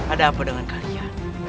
ada apa dengan kalian